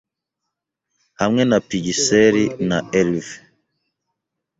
Hamwe na pigiseli na elve